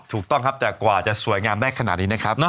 ถูกต้องครับแต่กว่าจะสวยงามได้ขนาดนี้นะครับ